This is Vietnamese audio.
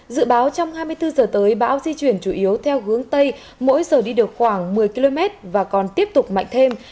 dự báo trong hai mươi bốn giờ tới bão di chuyển chủ yếu theo hướng tây mỗi giờ đi được khoảng một mươi km và còn tiếp tục mạnh thêm